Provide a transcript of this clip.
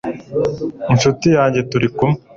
ncuti yanjye turi kumwe